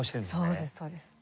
そうですそうです。